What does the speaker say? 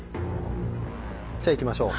じゃ行きましょう。